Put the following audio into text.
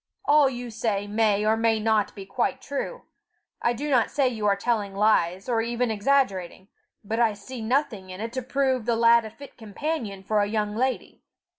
All you say may or may not be quite true; I do not say you are telling lies, or even exaggerating; but I see nothing in it to prove the lad a fit companion for a young lady.